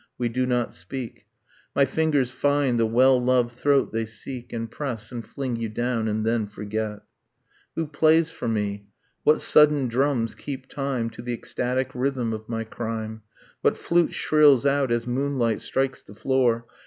. we do not speak, My fingers find the well loved throat they seek, And press, and fling you down ... and then forget. Who plays for me? What sudden drums keep time To the ecstatic rhythm of my crime? What flute shrills out as moonlight strikes the floor?